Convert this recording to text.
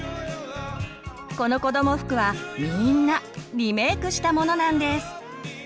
このこども服はみんなリメークしたものなんです。